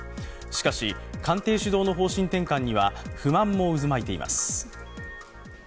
しかし、官邸主導の方針転換には不満も渦巻いています。